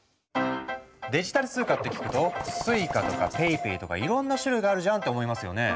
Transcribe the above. デジタル通貨って聞くと「Ｓｕｉｃａ」とか「ＰａｙＰａｙ」とかいろんな種類があるじゃんって思いますよね？